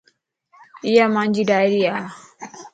ايا مانجي ڊائري ا